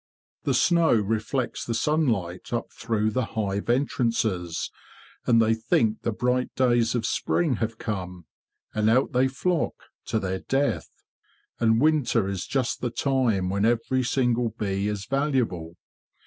The snow reflects the sunlight up through the hive entrances, and they think the bright days of spring have come, and out they flock to their death. And winter is just the time when every single bee is valuable.